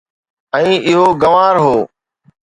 ۽ اهو گنوار هو